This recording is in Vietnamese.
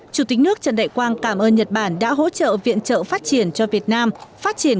chủ tịch nước trần đại quang cảm ơn nhật bản đã hỗ trợ viện trợ phát triển cho việt nam phát triển